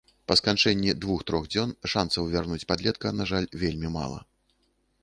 Па сканчэнні двух-трох дзён шанцаў вярнуць подлетка, на жаль, вельмі мала.